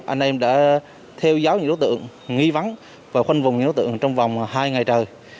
anh em đã theo giáo những đối tượng nghi vắng và khoanh vùng những đối tượng trong vòng hai ngày trời